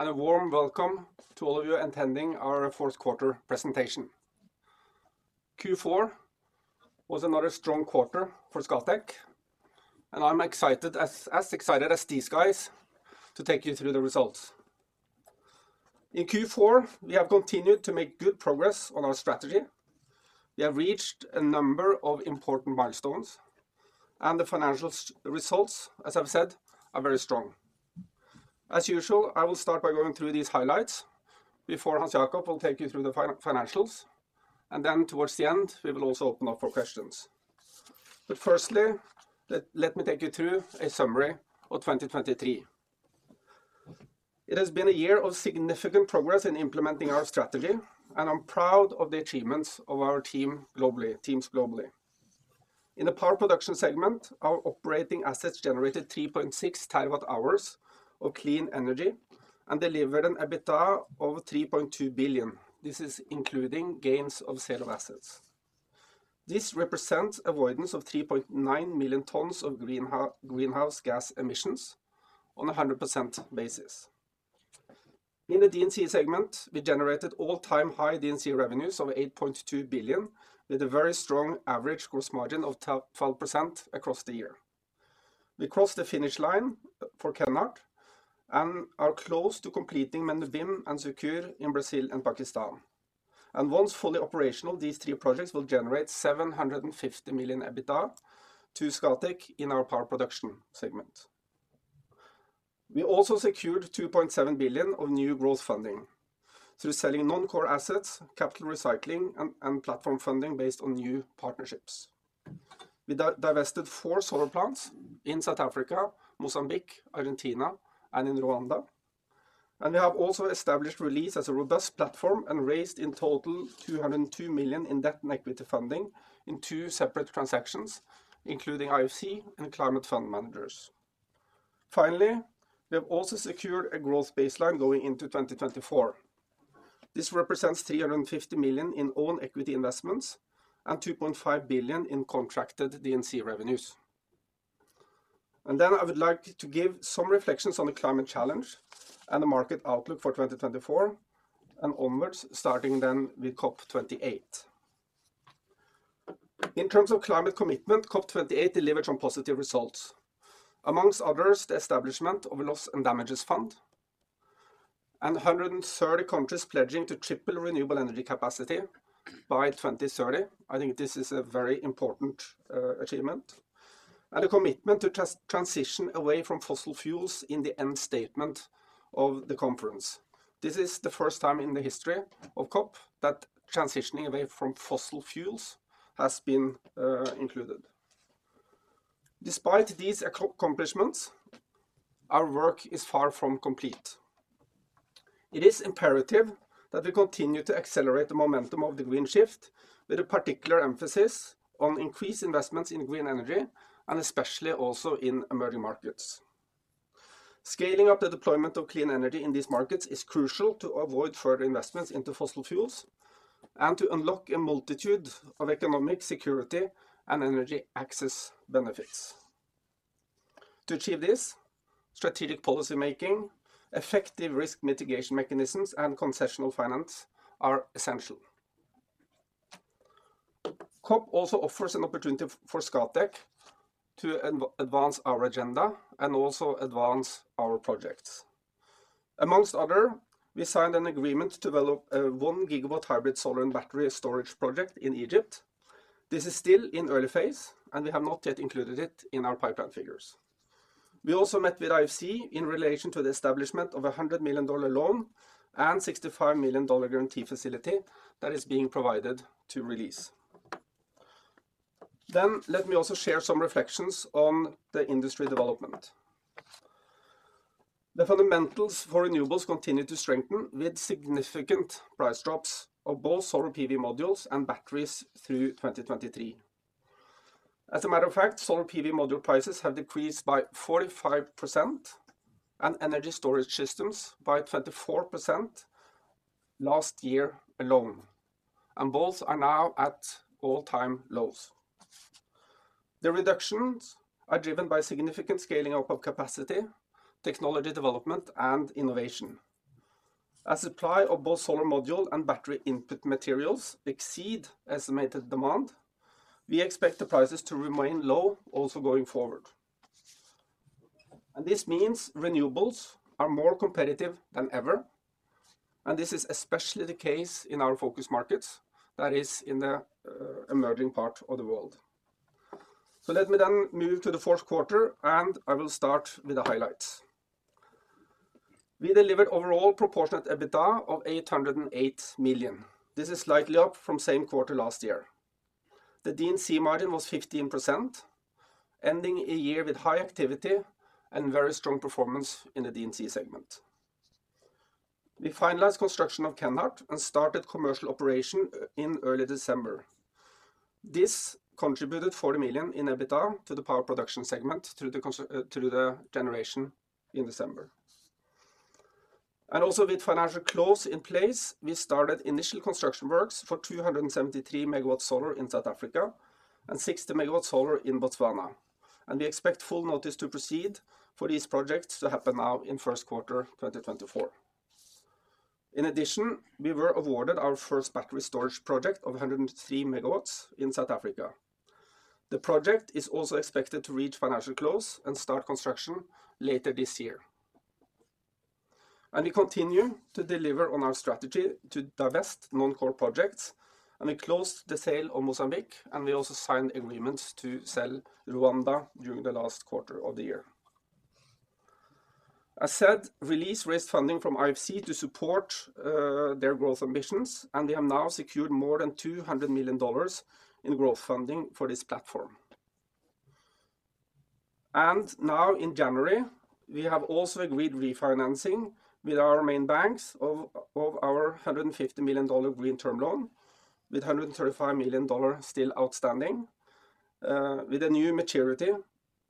A warm welcome to all of you attending our fourth quarter presentation. Q4 was another strong quarter for Scatec, and I'm excited, as excited as these guys, to take you through the results. In Q4, we have continued to make good progress on our strategy. We have reached a number of important milestones, and the financial results, as I've said, are very strong. As usual, I will start by going through these highlights before Hans Jakob will take you through the financials, and then towards the end, we will also open up for questions. But firstly, let me take you through a summary of 2023. It has been a year of significant progress in implementing our strategy, and I'm proud of the achievements of our teams globally. In the Power Production segment, our operating assets generated 3.6 TWh of clean energy and delivered an EBITDA of 3.2 billion. This is including gains of sale of assets. This represents avoidance of 3.9 million tons of greenhouse gas emissions on a 100% basis. In the D&C segment, we generated all-time high D&C revenues of 8.2 billion, with a very strong average gross margin of 12% across the year. We crossed the finish line for Kenhardt and are close to completing Mendubim and Sukkur in Brazil and Pakistan. And once fully operational, these three projects will generate 750 million EBITDA to Scatec in our Power Production segment. We also secured 2.7 billion of new growth funding through selling non-core assets, capital recycling, and platform funding based on new partnerships. We divested four solar plants in South Africa, Mozambique, Argentina, and in Rwanda, and we have also established release as a robust platform and raised in total 202 million in debt and equity funding in two separate transactions, including IFC and Climate Fund Managers. Finally, we have also secured a growth baseline going into 2024. This represents 350 million in own equity investments and 2.5 billion in contracted D&C revenues. And then I would like to give some reflections on the climate challenge and the market outlook for 2024 and onwards, starting then with COP28. In terms of climate commitment, COP28 delivered some positive results. Among others, the establishment of a loss and damages fund and 130 countries pledging to triple renewable energy capacity by 2030. I think this is a very important achievement, and a commitment to transition away from fossil fuels in the end statement of the conference. This is the first time in the history of COP that transitioning away from fossil fuels has been included. Despite these accomplishments, our work is far from complete. It is imperative that we continue to accelerate the momentum of the Green Shift, with a particular emphasis on increased investments in green energy and especially also in emerging markets. Scaling up the deployment of clean energy in these markets is crucial to avoid further investments into fossil fuels and to unlock a multitude of economic security and energy access benefits. To achieve this, strategic policymaking, effective risk mitigation mechanisms, and concessional finance are essential. COP also offers an opportunity for Scatec to advance our agenda and also advance our projects. Among other, we signed an agreement to develop a 1-GW hybrid solar and battery storage project in Egypt. This is still in early phase, and we have not yet included it in our pipeline figures. We also met with IFC in relation to the establishment of a $100 million loan and $65 million guarantee facility that is being provided to Release. Let me also share some reflections on the industry development. The fundamentals for renewables continue to strengthen, with significant price drops of both solar PV modules and batteries through 2023. As a matter of fact, solar PV module prices have decreased by 45% and energy storage systems by 24% last year alone, and both are now at all-time lows. The reductions are driven by significant scaling up of capacity, technology development, and innovation. As supply of both solar module and battery input materials exceed estimated demand, we expect the prices to remain low also going forward. And this means renewables are more competitive than ever, and this is especially the case in our focus markets, that is in the emerging part of the world. So let me then move to the fourth quarter, and I will start with the highlights. We delivered overall proportionate EBITDA of 808 million. This is slightly up from same quarter last year. The D&C margin was 15%, ending a year with high activity and very strong performance in the D&C segment. We finalized construction of Kenhardt and started commercial operation in early December. This contributed 40 million in EBITDA to the Power Production segment through the generation in December. Also with financial close in place, we started initial construction works for 273 MW solar in South Africa and 60 MW solar in Botswana... We expect full notice to proceed for these projects to happen now in first quarter 2024. In addition, we were awarded our first battery storage project of 103 MW in South Africa. The project is also expected to reach financial close and start construction later this year. We continue to deliver on our strategy to divest non-core projects, and we closed the sale of Mozambique, and we also signed agreements to sell Rwanda during the last quarter of the year. As said, Release raised funding from IFC to support their growth ambitions, and they have now secured more than $200 million in growth funding for this platform. Now in January, we have also agreed refinancing with our main banks of our $150 million Green Term Loan, with $135 million still outstanding, with a new maturity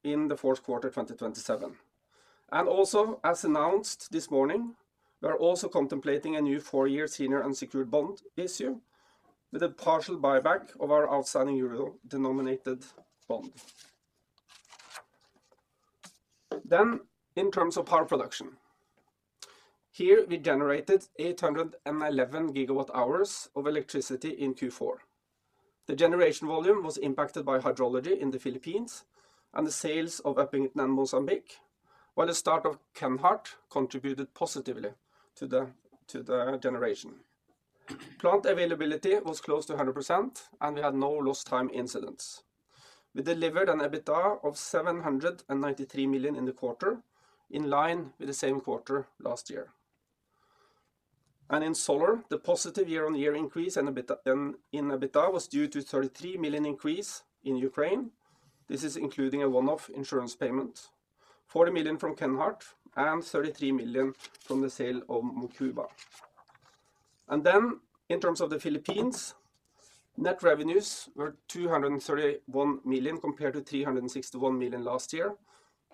in the fourth quarter 2027. And also, as announced this morning, we are also contemplating a new four-year senior unsecured bond issue with a partial buyback of our outstanding euro-denominated bond. Then, in terms of power production, here we generated 811 GWh of electricity in Q4. The generation volume was impacted by hydrology in the Philippines and the sales of Upington and Mozambique, while the start of Kenhardt contributed positively to the generation. Plant availability was close to 100%, and we had no lost time incidents. We delivered an EBITDA of 793 million in the quarter, in line with the same quarter last year. In solar, the positive year-over-year increase in EBITDA was due to 33 million increase in Ukraine. This is including a one-off insurance payment, 40 million from Kenhardt and 33 million from the sale of Mocuba. In terms of the Philippines, net revenues were 231 million, compared to 361 million last year,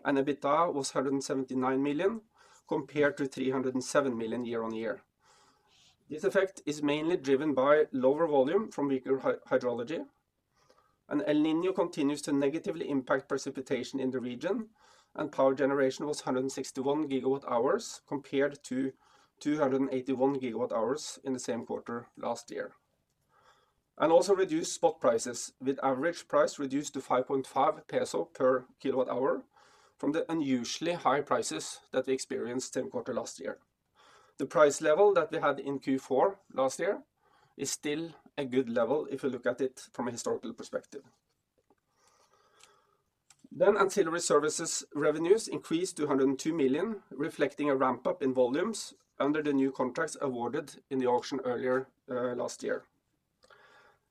and EBITDA was 179 million, compared to 307 million year-over-year. This effect is mainly driven by lower volume from weaker hydrology, and El Niño continues to negatively impact precipitation in the region, and power generation was 161 GWh, compared to 281 GWh in the same quarter last year. Also reduced spot prices, with average price reduced to 5.5 peso per kWh from the unusually high prices that we experienced in quarter last year. The price level that we had in Q4 last year is still a good level if you look at it from a historical perspective. Ancillary Services revenues increased to 102 million, reflecting a ramp-up in volumes under the new contracts awarded in the auction earlier last year.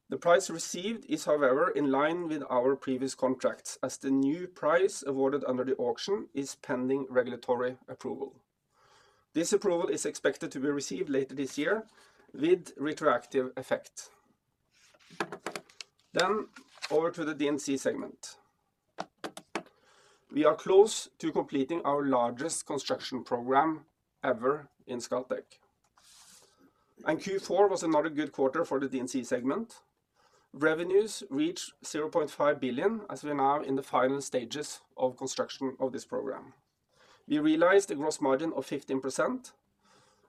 The price received is, however, in line with our previous contracts, as the new price awarded under the auction is pending regulatory approval. This approval is expected to be received later this year with retroactive effect. Over to the D&C segment. We are close to completing our largest construction program ever in Scatec, and Q4 was another good quarter for the D&C segment. Revenues reached 0.5 billion as we are now in the final stages of construction of this program. We realized a gross margin of 15%,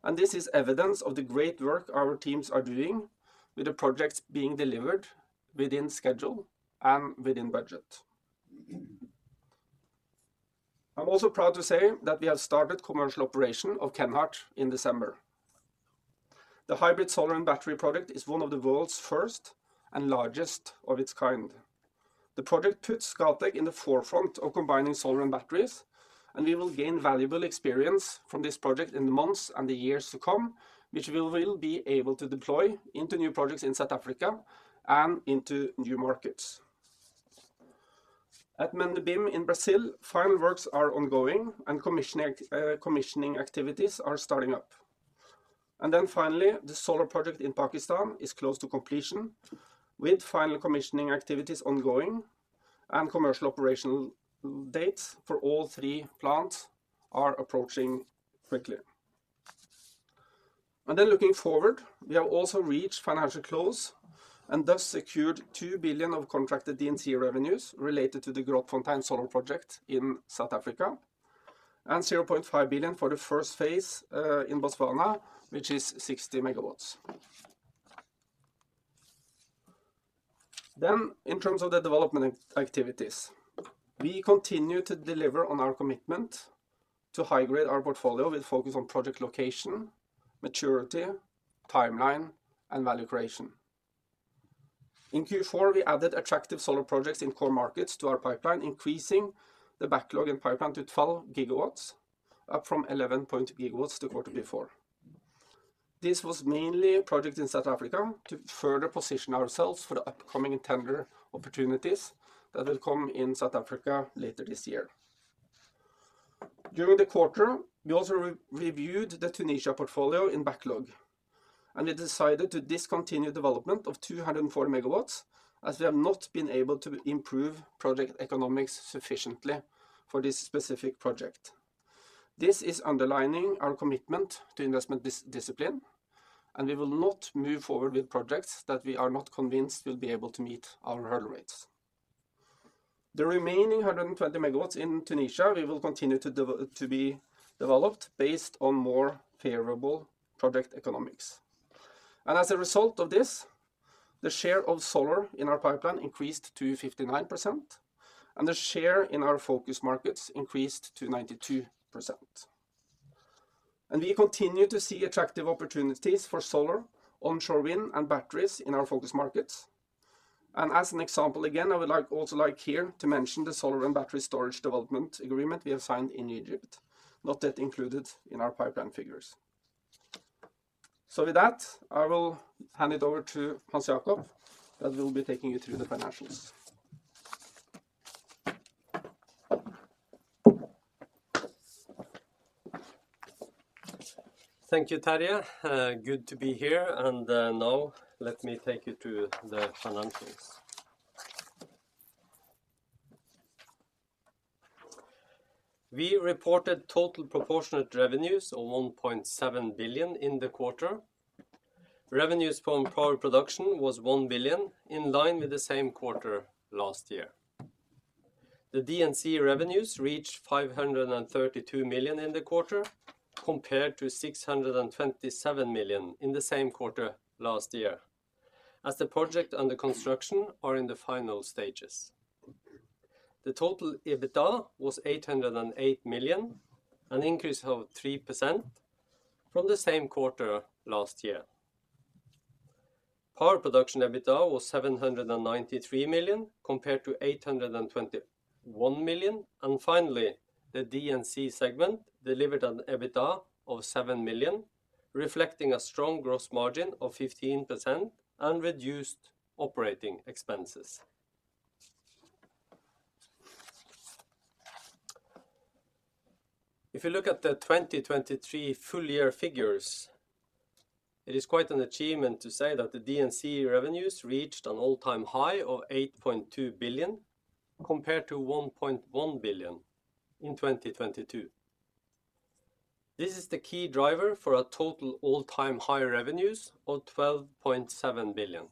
and this is evidence of the great work our teams are doing with the projects being delivered within schedule and within budget. I'm also proud to say that we have started commercial operation of Kenhardt in December. The hybrid solar and battery project is one of the world's first and largest of its kind. The project puts Scatec in the forefront of combining solar and batteries, and we will gain valuable experience from this project in the months and the years to come, which we will be able to deploy into new projects in South Africa and into new markets. At Mendubim, in Brazil, final works are ongoing and commissioning activities are starting up. Finally, the solar project in Pakistan is close to completion, with final commissioning activities ongoing and commercial operation dates for all three plants are approaching quickly. Looking forward, we have also reached financial close and thus secured 2 billion of contracted D&C revenues related to the Grootfontein solar project in South Africa and 0.5 billion for the first phase in Botswana, which is 60 MW. In terms of the development activities, we continue to deliver on our commitment to high-grade our portfolio with focus on project location, maturity, timeline, and value creation. In Q4, we added attractive solar projects in core markets to our pipeline, increasing the backlog in pipeline to 12 GW, up from 11 GW the quarter before. This was mainly a project in South Africa to further position ourselves for the upcoming tender opportunities that will come in South Africa later this year. During the quarter, we also re-reviewed the Tunisia portfolio in backlog, and we decided to discontinue development of 240 MW, as we have not been able to improve project economics sufficiently for this specific project. This is underlining our commitment to investment discipline, and we will not move forward with projects that we are not convinced will be able to meet our hurdle rates. The remaining 120 MW in Tunisia, we will continue to be developed based on more favorable project economics. And as a result of this, the share of solar in our pipeline increased to 59%, and the share in our focus markets increased to 92%. We continue to see attractive opportunities for solar, onshore wind, and batteries in our focus markets. And as an example, again, I would like, also like here to mention the solar and battery storage development agreement we have signed in Egypt, not yet included in our pipeline figures. With that, I will hand it over to Hans Jakob, as he will be taking you through the financials. Thank you, Terje. Good to be here, and now let me take you through the financials. We reported total proportionate revenues of 1.7 billion in the quarter. Revenues from power production was 1 billion, in line with the same quarter last year. The D&C revenues reached 532 million in the quarter, compared to 627 million in the same quarter last year, as the project under construction are in the final stages. The total EBITDA was 808 million, an increase of 3% from the same quarter last year. Power production EBITDA was 793 million, compared to 821 million. And finally, the D&C segment delivered an EBITDA of 7 million, reflecting a strong gross margin of 15% and reduced operating expenses. If you look at the 2023 full year figures, it is quite an achievement to say that the D&C revenues reached an all-time high of 8.2 billion, compared to 1.1 billion in 2022. This is the key driver for a total all-time high revenues of 12.7 billion.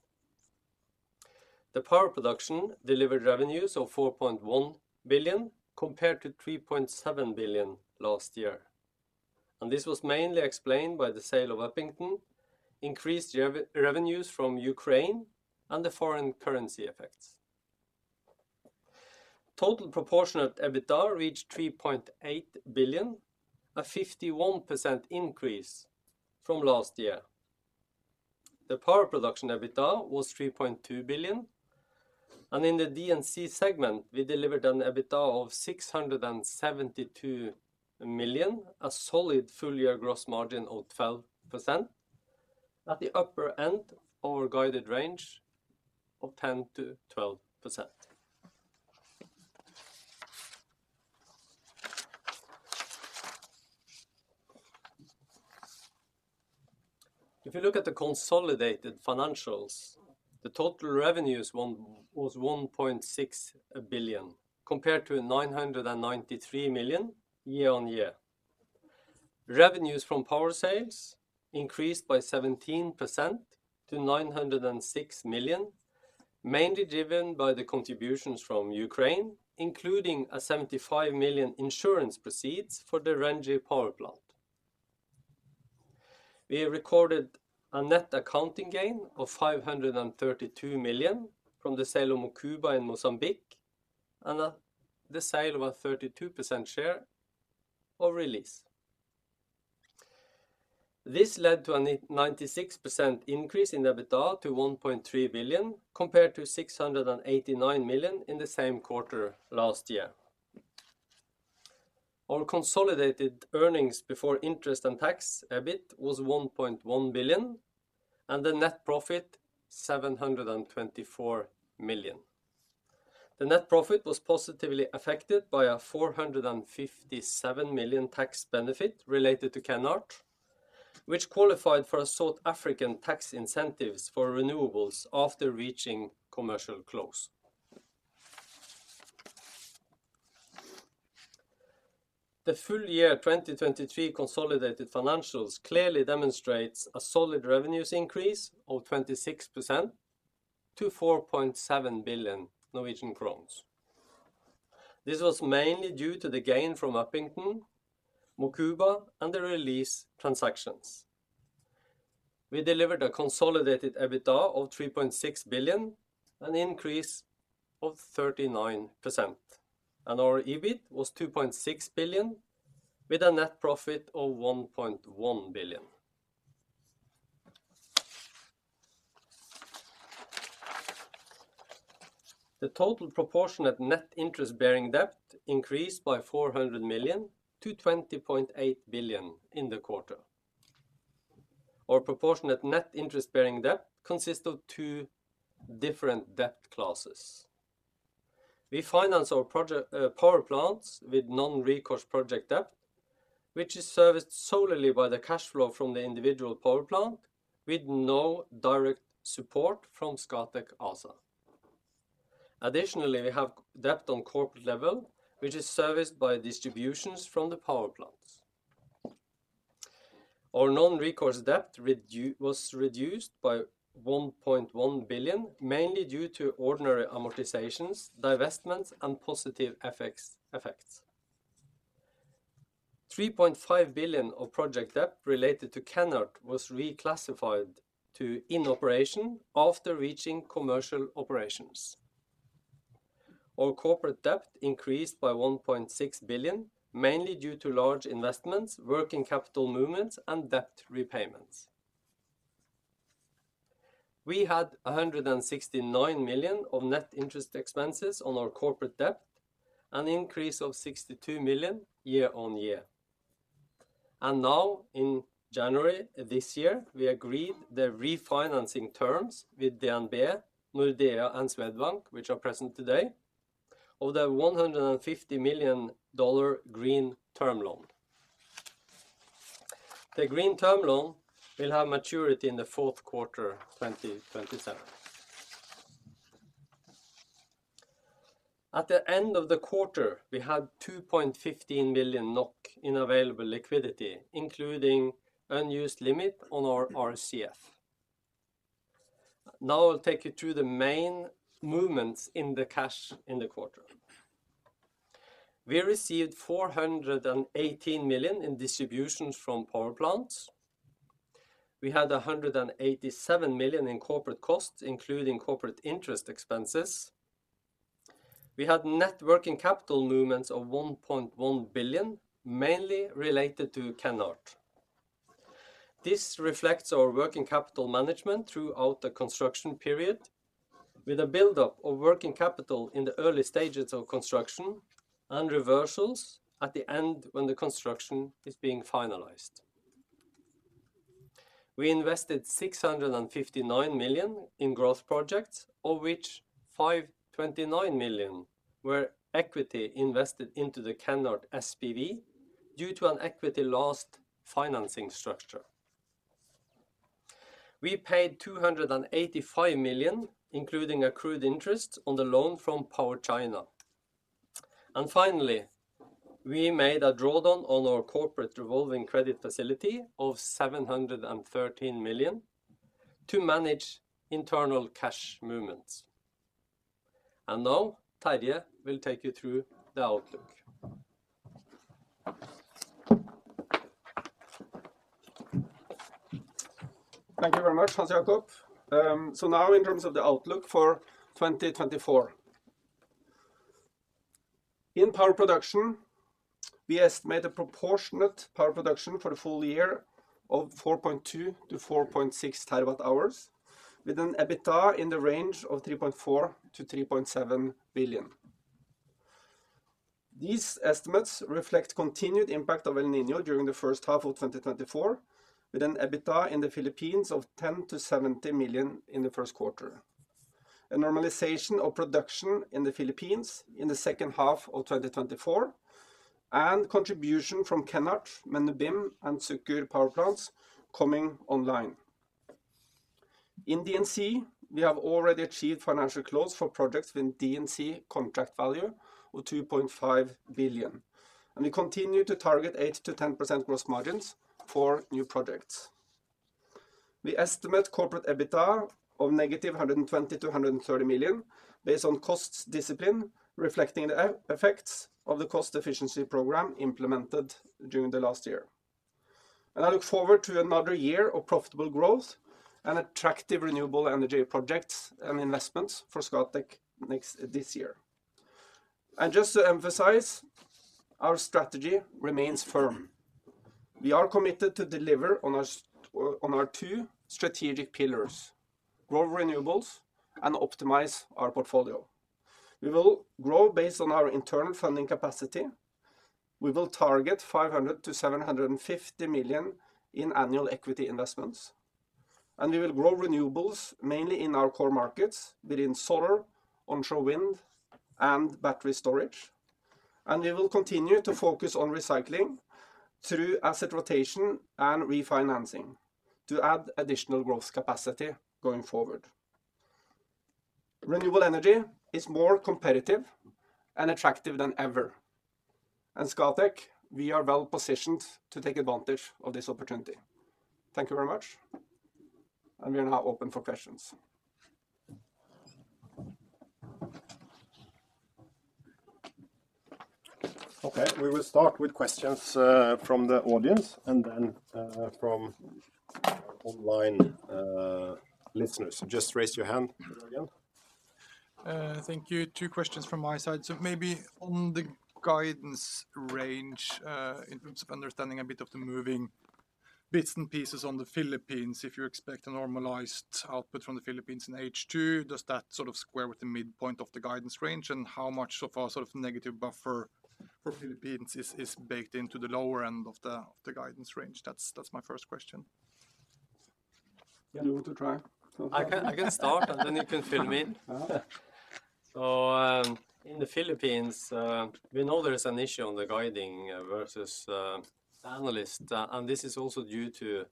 The power production delivered revenues of 4.1 billion, compared to 3.7 billion last year, and this was mainly explained by the sale of Upington, increased revenues from Ukraine, and the foreign currency effects. Total proportionate EBITDA reached 3.8 billion, a 51% increase from last year. The power production EBITDA was 3.2 billion, and in the D&C segment, we delivered an EBITDA of 672 million, a solid full-year gross margin of 12%, at the upper end of our guided range of 10%-12%. If you look at the consolidated financials, the total revenues was 1.6 billion, compared to 993 million year-on-year. Revenues from power sales increased by 17% to 906 million, mainly driven by the contributions from Ukraine, including a 75 million insurance proceeds for the Rengy Power Plant. We have recorded a net accounting gain of 532 million from the sale of Mocuba in Mozambique and the sale of a 32% share of Release. This led to a 96% increase in EBITDA to 1.3 billion, compared to 689 million in the same quarter last year. Our consolidated earnings before interest and tax, EBIT, was 1.1 billion, and the net profit, 724 million. The net profit was positively affected by a 457 million tax benefit related to Kenhardt, which qualified for a South African tax incentives for renewables after reaching commercial close. The full year 2023 consolidated financials clearly demonstrates a solid revenues increase of 26% to 4.7 billion Norwegian crowns. This was mainly due to the gain from Upington, Mocuba, and the release transactions. We delivered a consolidated EBITDA of 3.6 billion, an increase of 39%, and our EBIT was 2.6 billion, with a net profit of 1.1 billion. The total proportionate net interest-bearing debt increased by 400 million to 20.8 billion in the quarter. Our proportionate net interest-bearing debt consists of two different debt classes. We finance our project power plants with non-recourse project debt, which is serviced solely by the cash flow from the individual power plant, with no direct support from Scatec ASA. Additionally, we have debt on corporate level, which is serviced by distributions from the power plants. Our non-recourse debt was reduced by 1.1 billion, mainly due to ordinary amortizations, divestments, and positive effects. 3.5 billion of project debt related to Kenhardt was reclassified to in operation after reaching commercial operations. Our corporate debt increased by 1.6 billion, mainly due to large investments, working capital movements, and debt repayments. We had 169 million of net interest expenses on our corporate debt, an increase of 62 million year-on-year. And now, in January this year, we agreed the refinancing terms with DNB, Nordea, and Swedbank, which are present today, of the $150 million green term loan. The Green Term Loan will have maturity in the fourth quarter, 2027. At the end of the quarter, we had 2.15 billion NOK in available liquidity, including unused limit on our RCF. Now I'll take you through the main movements in the cash in the quarter. We received 418 million in distributions from power plants. We had 187 million in corporate costs, including corporate interest expenses. We had net working capital movements of 1.1 billion, mainly related to Kenhardt. This reflects our working capital management throughout the construction period, with a buildup of working capital in the early stages of construction and reversals at the end when the construction is being finalized. We invested 659 million in growth projects, of which 529 million were equity invested into the Kenhardt SPV due to an equity-linked financing structure. We paid 285 million, including accrued interest on the loan from Power China. And finally, we made a drawdown on our corporate revolving credit facility of 713 million to manage internal cash movements. Now Terje will take you through the outlook. Thank you very much, Hans Jakob. So now in terms of the outlook for 2024. In power production, we estimate a proportionate power production for the full year of 4.2 TWh-4.6 TWh, with an EBITDA in the range of 3.4 billion-3.7 billion. These estimates reflect continued impact of El Niño during the first half of 2024, with an EBITDA in the Philippines of 10 million-70 million in the first quarter. A normalization of production in the Philippines in the second half of 2024, and contribution from Kenhardt, Mendubim, and Sukkur power plants coming online. In D&C, we have already achieved financial close for projects with D&C contract value of 2.5 billion, and we continue to target 8%-10% gross margins for new projects. We estimate corporate EBITDA of -$120 million to $130 million, based on cost discipline, reflecting the effects of the cost efficiency program implemented during the last year. I look forward to another year of profitable growth and attractive renewable energy projects and investments for Scatec next this year. Just to emphasize, our strategy remains firm. We are committed to deliver on our on our two strategic pillars: grow renewables and optimize our portfolio. We will grow based on our internal funding capacity. We will target $500 million-$750 million in annual equity investments, and we will grow renewables mainly in our core markets within solar, onshore wind, and battery storage. We will continue to focus on recycling through asset rotation and refinancing to add additional growth capacity going forward. Renewable energy is more competitive and attractive than ever, and Scatec, we are well positioned to take advantage of this opportunity. Thank you very much, and we are now open for questions. Okay, we will start with questions from the audience and then from online listeners. So just raise your hand again. Thank you. Two questions from my side. So maybe on the guidance range, in terms of understanding a bit of the moving bits and pieces on the Philippines, if you expect a normalized output from the Philippines in H2, does that sort of square with the midpoint of the guidance range? And how much of a sort of negative buffer for Philippines is baked into the lower end of the guidance range? That's my first question. You want to try? I can, I can start, and then you can fill me in. Uh-huh. In the Philippines, we know there is an issue on the guidance versus actual, and this is also due to-...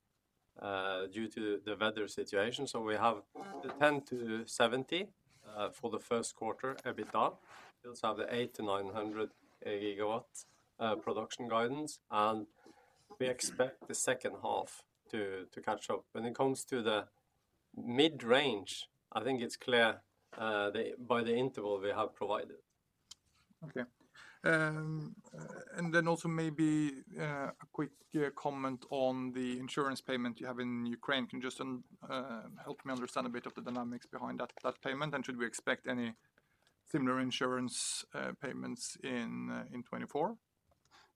due to the weather situation. So we have the 10-70 for the first quarter, EBITDA. We also have the 800 GW-900 GW production guidance, and we expect the second half to catch up. When it comes to the mid-range, I think it's clear, the by the interval we have provided. Okay. Then also maybe a quick comment on the insurance payment you have in Ukraine. Can you just help me understand a bit of the dynamics behind that, that payment, and should we expect any similar insurance payments in 2024?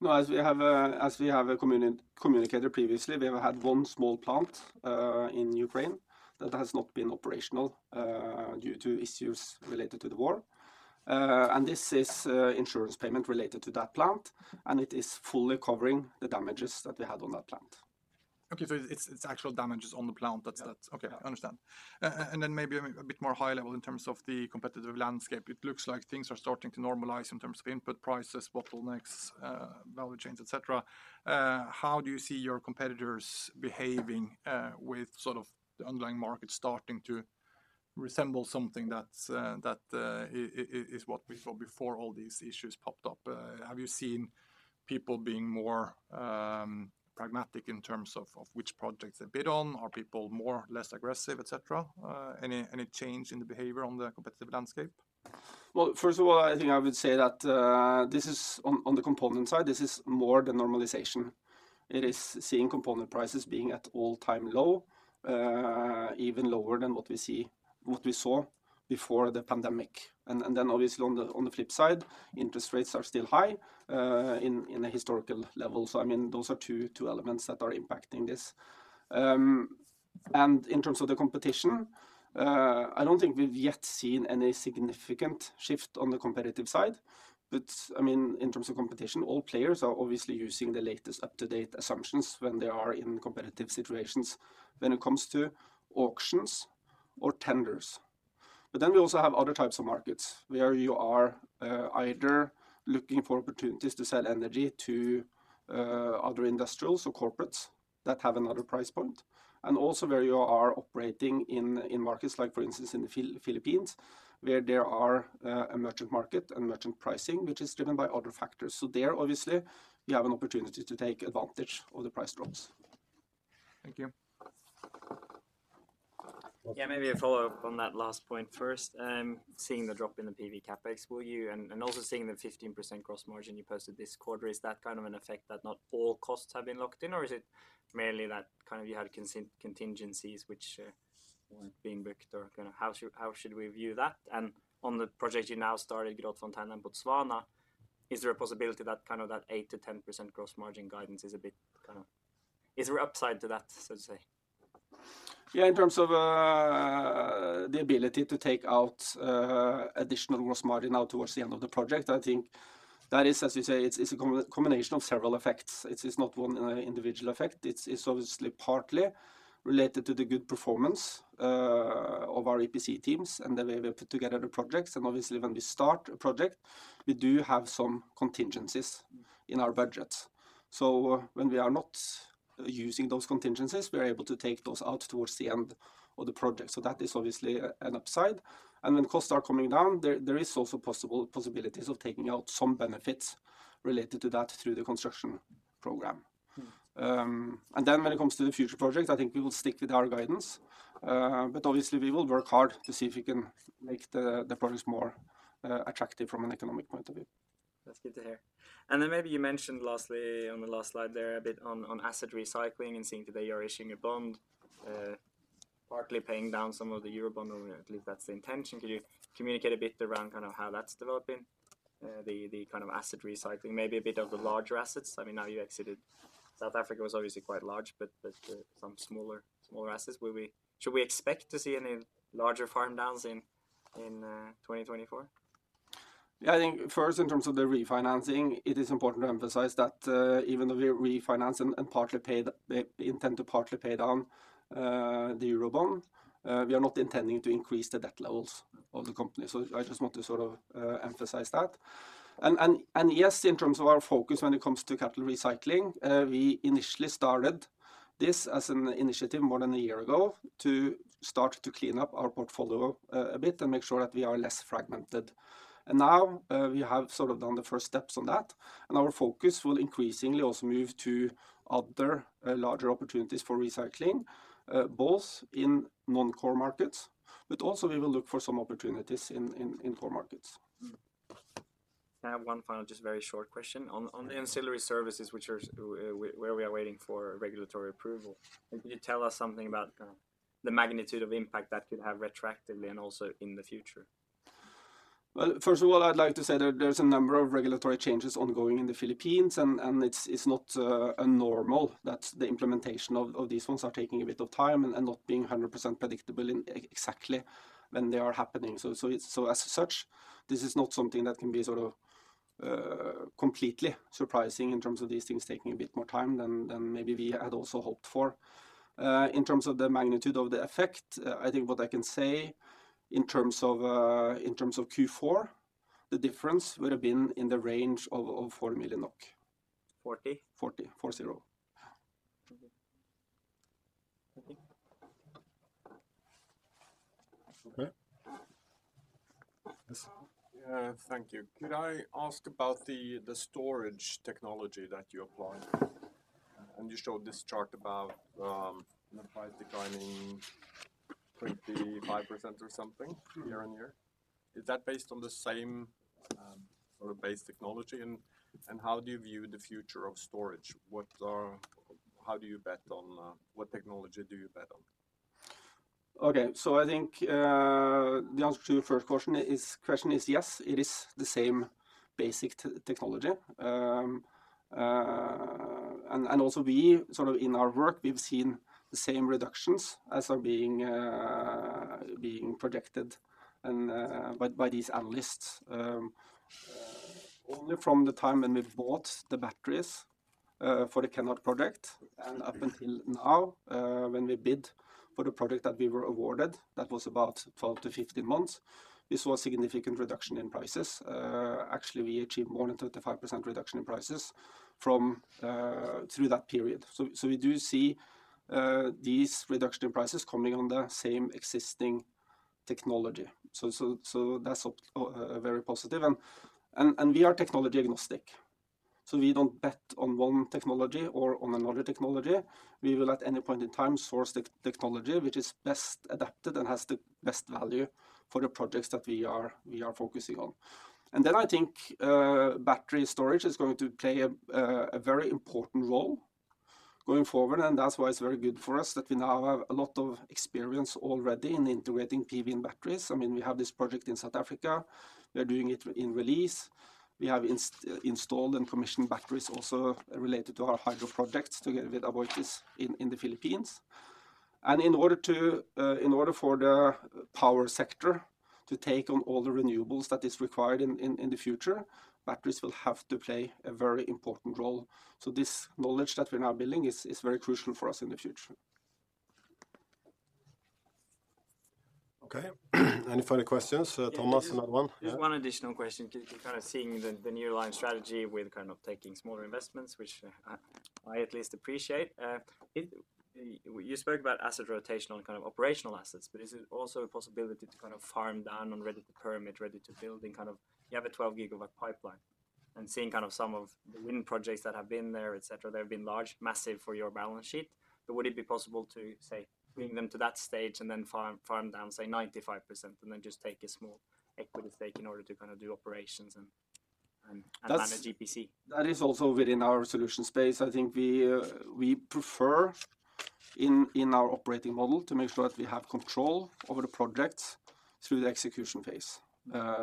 No, as we have communicated previously, we have had one small plant in Ukraine that has not been operational due to issues related to the war. And this is insurance payment related to that plant, and it is fully covering the damages that we had on that plant. Okay, so it's, it's actual damages on the plant. Yeah. That's... Okay, I understand. And then maybe a bit more high level in terms of the competitive landscape. It looks like things are starting to normalize in terms of input prices, bottlenecks, value chains, et cetera. How do you see your competitors behaving with sort of the underlying market starting to resemble something that's that is what before, before all these issues popped up? Have you seen people being more pragmatic in terms of which projects they bid on? Are people more or less aggressive, et cetera? Any change in the behavior on the competitive landscape? Well, first of all, I think I would say that this is on, on the component side, this is more the normalization. It is seeing component prices being at all-time low, even lower than what we saw before the pandemic. And then obviously on the flip side, interest rates are still high, in a historical level. So I mean, those are two, two elements that are impacting this. And in terms of the competition, I don't think we've yet seen any significant shift on the competitive side. But I mean, in terms of competition, all players are obviously using the latest up-to-date assumptions when they are in competitive situations when it comes to auctions or tenders. But then we also have other types of markets, where you are either looking for opportunities to sell energy to other industrials or corporates that have another price point, and also where you are operating in markets like, for instance, in the Philippines, where there are a merchant market and merchant pricing, which is driven by other factors. So there, obviously, we have an opportunity to take advantage of the price drops. Thank you. Yeah, maybe a follow-up on that last point first. Seeing the drop in the PV CapEx, will you... And also seeing the 15% gross margin you posted this quarter, is that kind of an effect that not all costs have been locked in, or is it mainly that kind of you had contingencies which weren't being booked or kinda how should we view that? And on the project you now started, Grootfontein in Botswana, is there a possibility that kind of that 8%-10% gross margin guidance is a bit, kinda... Is there upside to that, so to say? Yeah, in terms of the ability to take out additional gross margin now towards the end of the project, I think that is, as you say, it's a combination of several effects. It is not one individual effect. It's obviously partly related to the good performance of our EPC teams and the way we put together the projects. And obviously, when we start a project, we do have some contingencies in our budget. So when we are not using those contingencies, we are able to take those out towards the end of the project. So that is obviously an upside. And when costs are coming down, there is also possibilities of taking out some benefits related to that through the construction program. And then when it comes to the future projects, I think we will stick with our guidance. But obviously we will work hard to see if we can make the products more attractive from an economic point of view. That's good to hear. And then maybe you mentioned lastly, on the last slide there, a bit on asset recycling and seeing today you're issuing a bond, partly paying down some of the euro bond, or at least that's the intention. Can you communicate a bit around kind of how that's developing, the kind of asset recycling? Maybe a bit of the larger assets. I mean, now you exited... South Africa was obviously quite large, but some smaller assets. Should we expect to see any larger farm downs in 2024? Yeah, I think first, in terms of the refinancing, it is important to emphasize that, even though we refinance and intend to partly pay down the euro bond, we are not intending to increase the debt levels of the company. So I just want to sort of emphasize that. Yes, in terms of our focus when it comes to capital recycling, we initially started this as an initiative more than a year ago, to start to clean up our portfolio a bit and make sure that we are less fragmented. And now, we have sort of done the first steps on that, and our focus will increasingly also move to other larger opportunities for recycling both in non-core markets, but also we will look for some opportunities in core markets. Mm. Can I have one final, just very short question? Sure. On the Ancillary Services, which are where we are waiting for regulatory approval, can you tell us something about the magnitude of impact that could have retroactively and also in the future? Well, first of all, I'd like to say that there's a number of regulatory changes ongoing in the Philippines, and it's not abnormal that the implementation of these ones are taking a bit of time and not being 100% predictable in exactly when they are happening. So it's. So as such, this is not something that can be sort of completely surprising in terms of these things taking a bit more time than maybe we had also hoped for. In terms of the magnitude of the effect, I think what I can say in terms of Q4 the difference would have been in the range of 4 million NOK. 40? 40. 40. Okay. I think. Okay. Yes. Thank you. Could I ask about the storage technology that you applied? And you showed this chart about the price declining 35% or something year on year. Is that based on the same sort of base technology? And how do you view the future of storage? How do you bet on what technology do you bet on? Okay. So I think the answer to your first question is, yes, it is the same basic technology. And also we sort of in our work, we've seen the same reductions as are being projected and by these analysts. Only from the time when we bought the batteries for the Kenhardt project and up until now, when we bid for the project that we were awarded, that was about 12 months-15 months. This was significant reduction in prices. Actually, we achieved more than 35% reduction in prices from through that period. So, so, so that's very positive. We are technology agnostic, so we don't bet on one technology or on another technology. We will, at any point in time, source the technology which is best adapted and has the best value for the projects that we are focusing on. And then I think battery storage is going to play a very important role going forward, and that's why it's very good for us that we now have a lot of experience already in integrating PV and batteries. I mean, we have this project in South Africa. We are doing it in Release. We have installed and commissioned batteries also related to our hydro projects, together with Aboitiz in the Philippines. And in order to... In order for the power sector to take on all the renewables that is required in the future, batteries will have to play a very important role. So this knowledge that we're now building is very crucial for us in the future. Okay. Any further questions? Thomas, another one. Just one additional question. Kind of seeing the new line strategy with kind of taking smaller investments, which I at least appreciate. It, you spoke about asset rotation on kind of operational assets, but is it also a possibility to kind of farm down on ready to permit, ready to build in kind of... You have a 12-GW pipeline and seeing kind of some of the wind projects that have been there, et cetera. They've been large, massive for your balance sheet, but would it be possible to, say, bring them to that stage and then farm down, say, 95%, and then just take a small equity stake in order to kind of do operations and manage EPC? That is also within our solution space. I think we prefer in our operating model to make sure that we have control over the projects through the execution phase,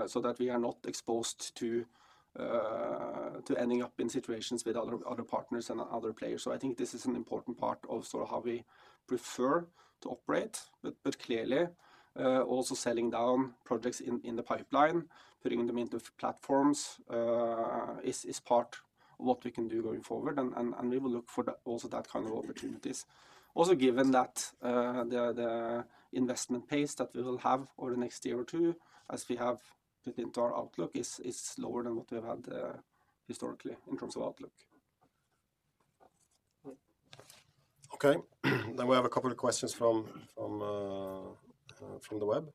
so that we are not exposed to ending up in situations with other partners and other players. So I think this is an important part of sort of how we prefer to operate. But clearly also selling down projects in the pipeline, putting them into platforms is part of what we can do going forward. And we will look for also that kind of opportunities. Also, given that the investment pace that we will have over the next year or two, as we have put into our outlook, is lower than what we've had historically in terms of outlook. Okay. Then we have a couple of questions from the web.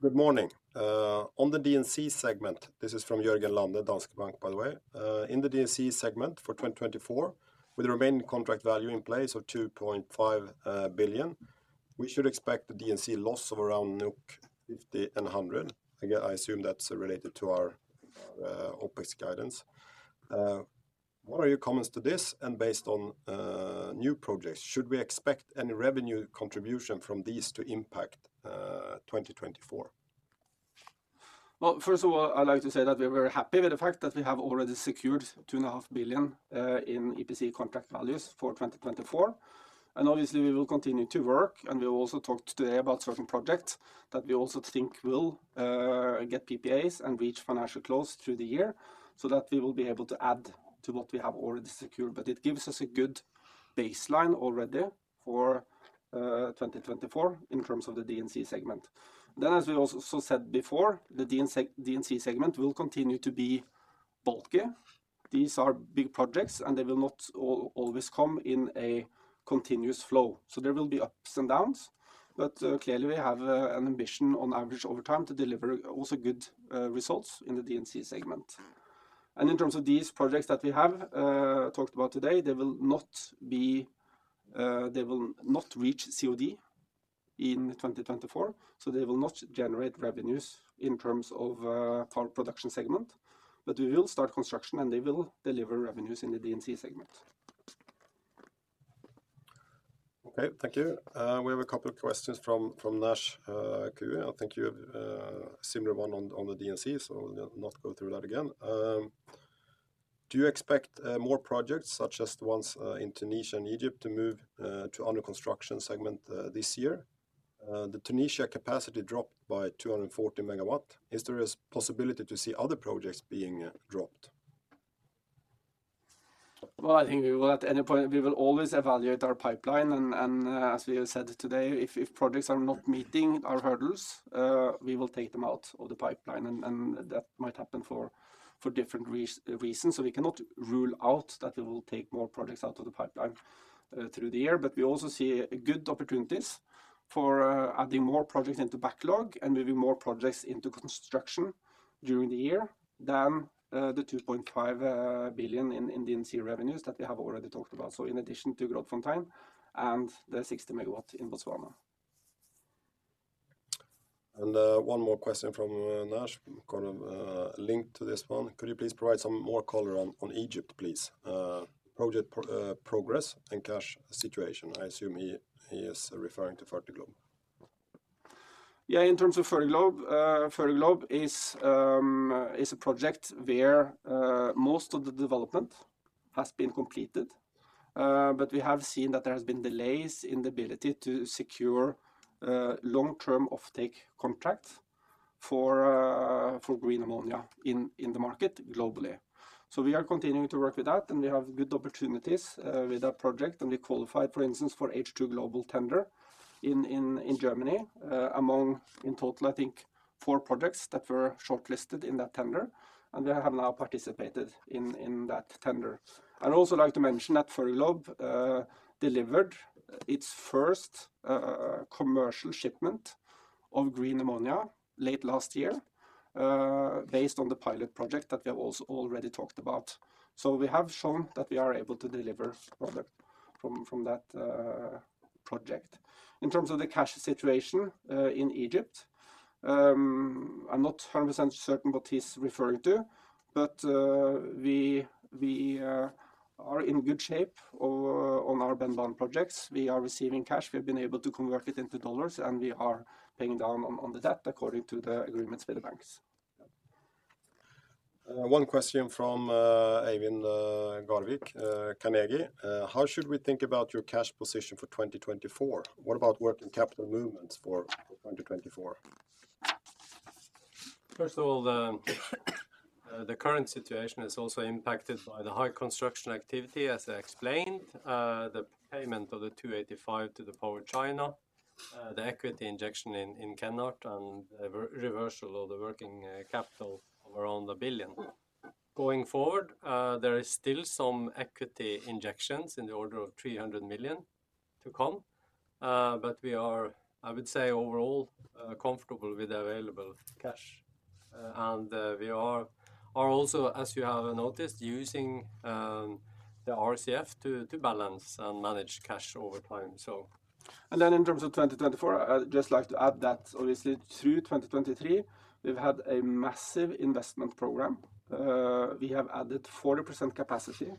Good morning. On the D&C segment, this is from Jørgen Lande, Danske Bank, by the way. In the D&C segment for 2024, with the remaining contract value in place of 2.5 billion, we should expect the D&C loss of around 50-100. Again, I assume that's related to our OpEx guidance. What are your comments to this? And based on new projects, should we expect any revenue contribution from these to impact 2024? Well, first of all, I'd like to say that we're very happy with the fact that we have already secured 2.5 billion in EPC contract values for 2024. Obviously, we will continue to work, and we will also talk today about certain projects that we also think will get PPAs and reach financial close through the year, so that we will be able to add to what we have already secured. But it gives us a good baseline already for 2024 in terms of the D&C segment. As we also said before, the D&C segment will continue to be bulky. These are big projects, and they will not always come in a continuous flow, so there will be ups and downs. Clearly, we have an ambition, on average, over time, to deliver also good results in the D&C segment. In terms of these projects that we have talked about today, they will not reach COD in 2024, so they will not generate revenues in terms of Power Production segment. We will start construction, and they will deliver revenues in the D&C segment. Okay, thank you. We have a couple of questions from Nesh Sheriff. I think you have a similar one on the D&C, so I'll not go through that again. Do you expect more projects, such as the ones in Tunisia and Egypt, to move to under-construction segment this year? The Tunisia capacity dropped by 240 MW. Is there a possibility to see other projects being dropped? ... Well, I think we will at any point, we will always evaluate our pipeline, and as we have said today, if projects are not meeting our hurdles, we will take them out of the pipeline, and that might happen for different reasons. So we cannot rule out that we will take more projects out of the pipeline through the year. But we also see good opportunities for adding more projects into backlog and maybe more projects into construction during the year than the 2.5 billion in D&C revenues that we have already talked about. So in addition to Grootfontein and the 60 MW in Botswana. One more question from Nesh, kind of linked to this one: "Could you please provide some more color on Egypt, please? Project progress and cash situation." I assume he is referring to Fertiglobe. Yeah, in terms of Fertiglobe, Fertiglobe is a project where most of the development has been completed. But we have seen that there has been delays in the ability to secure long-term offtake contracts for green ammonia in the market globally. So we are continuing to work with that, and we have good opportunities with that project. And we qualified, for instance, for H2 Global tender in Germany, among, in total, I think four projects that were shortlisted in that tender, and we have now participated in that tender. I'd also like to mention that Fertiglobe delivered its first commercial shipment of green ammonia late last year, based on the pilot project that we have also already talked about. So we have shown that we are able to deliver product from that project. In terms of the cash situation in Egypt, I'm not 100% certain what he's referring to, but we are in good shape on our bank loan projects. We are receiving cash. We have been able to convert it into dollars, and we are paying down on the debt according to the agreements with the banks. Yeah. One question from Eivind Garvik, Carnegie: "How should we think about your cash position for 2024? What about working capital movements for 2024? First of all, the current situation is also impacted by the high construction activity, as I explained. The payment of 285 million to Power China, the equity injection in Kenhardt, and the reversal of the working capital of around 1 billion. Going forward, there is still some equity injections in the order of 300 million to come, but we are, I would say, overall, comfortable with the available cash. And we are also, as you have noticed, using the RCF to balance and manage cash over time, so... And then in terms of 2024, I'd just like to add that obviously through 2023, we've had a massive investment program. We have added 40% capacity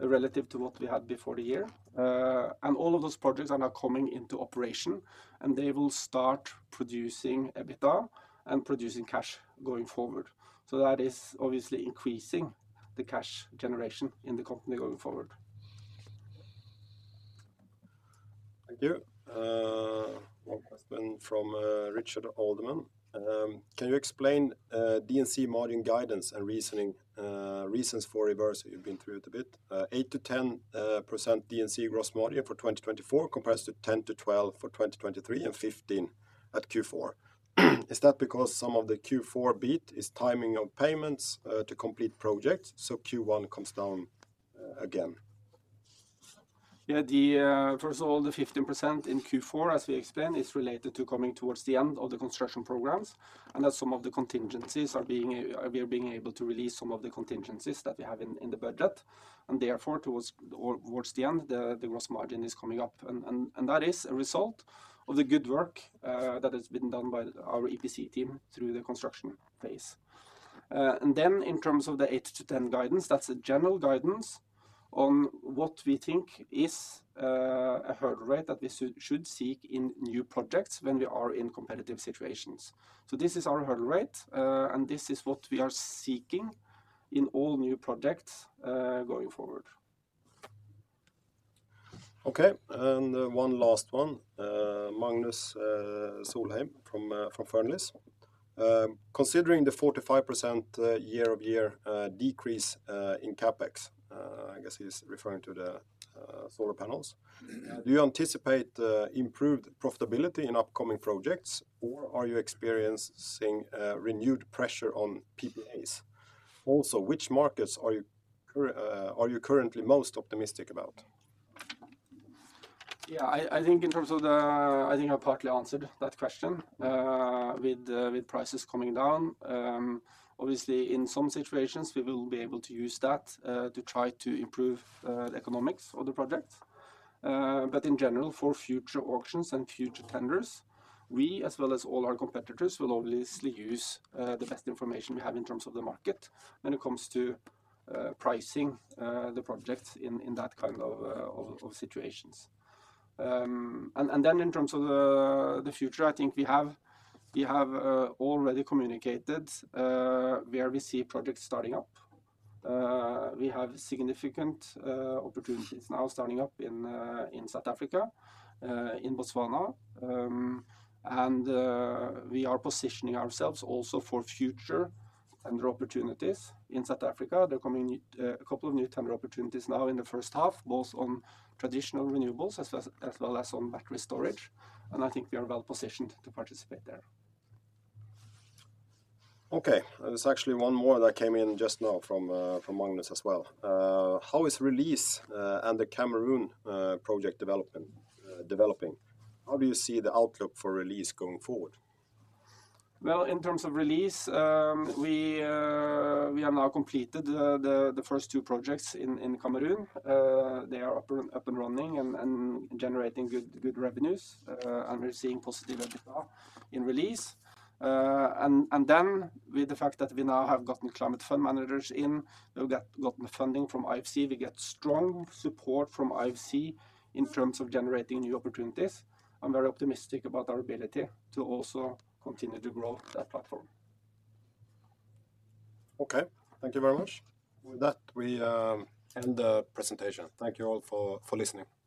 relative to what we had before the year. And all of those projects are now coming into operation, and they will start producing EBITDA and producing cash going forward. So that is obviously increasing the cash generation in the company going forward. Thank you. One question from Richard Alderman. "Can you explain D&C margin guidance and reasoning, reasons for reverse?" You've been through it a bit. "8%-10% D&C gross margin for 2024, compared to 10%-12% for 2023 and 15% at Q4. Is that because some of the Q4 beat is timing of payments to complete projects, so Q1 comes down again? Yeah, first of all, the 15% in Q4, as we explained, is related to coming towards the end of the construction programs and that some of the contingencies are being. We are being able to release some of the contingencies that we have in the budget, and therefore, towards or towards the end, the gross margin is coming up. And, and, and that is a result of the good work that has been done by our EPC team through the construction phase. And then in terms of the 8-10 guidance, that's a general guidance on what we think is a hurdle rate that we should, should seek in new projects when we are in competitive situations. So this is our hurdle rate, and this is what we are seeking in all new projects going forward. Okay, and one last one, Magnus Solheim from Fearnleys. "Considering the 45% year-over-year decrease in CapEx," I guess he's referring to the solar panels, "do you anticipate improved profitability in upcoming projects, or are you experiencing renewed pressure on PPAs? Also, which markets are you currently most optimistic about? Yeah, I think in terms of the. I think I partly answered that question. With prices coming down, obviously, in some situations, we will be able to use that to try to improve the economics of the project. But in general, for future auctions and future tenders, we, as well as all our competitors, will obviously use the best information we have in terms of the market when it comes to pricing the projects in that kind of situations. And then in terms of the future, I think we have already communicated where we see projects starting up. We have significant opportunities now starting up in South Africa, in Botswana, and we are positioning ourselves also for future tender opportunities in South Africa. There are coming a couple of new tender opportunities now in the first half, both on traditional renewables as well as on battery storage, and I think we are well positioned to participate there. Okay, there's actually one more that came in just now from, from Magnus as well. "How is Release, and the Cameroon, project development, developing? How do you see the outlook for Release going forward? Well, in terms of Release, we have now completed the first two projects in Cameroon. They are up and running and generating good revenues, and we're seeing positive EBITDA in Release. And then with the fact that we now have gotten Climate Fund Managers in, we've gotten funding from IFC, we get strong support from IFC in terms of generating new opportunities. I'm very optimistic about our ability to also continue to grow that platform. Okay, thank you very much. With that, we end the presentation. Thank you all for listening.